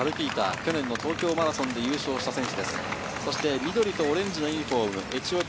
去年、東京マラソンで優勝した選手。